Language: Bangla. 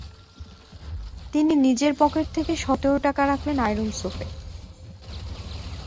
তিনি নিজের পকেট থেকে সতেরো টাকা রাখলেন আয়রন সোফে।